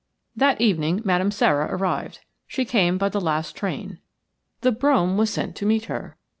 That evening Madame Sara arrived. She came by the last train. The brougham was sent to meet her.